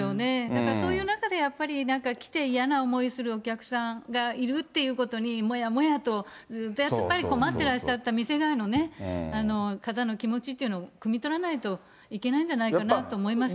だからそういう中で、やっぱり、なんか来て嫌な思いするお客さんがいるということに、もやもやと、ずっと困ってらっしゃった店側の方の気持ちっていうのをくみ取らないといけないんじゃないかなと思いますね。